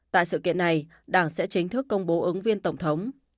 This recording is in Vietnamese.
tại sự kiện này đảng sẽ chính thức công bố ứng viên tổng thống